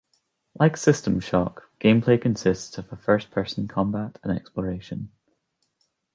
Like "System Shock", gameplay consists of first-person combat and exploration.